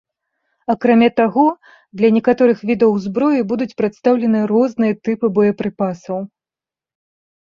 Акрамя таго, для некаторых відаў зброі будуць прадстаўлены розныя тыпы боепрыпасаў.